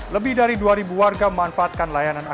lebih dari dua warga memanfaatkan layanan